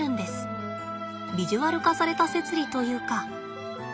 ビジュアル化された摂理というか。